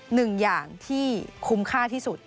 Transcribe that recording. หนึ่งอย่างที่คุ้มค่าที่สุด